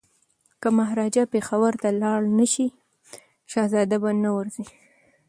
که مهاراجا پېښور ته لاړ نه شي شهزاده به نه ورځي.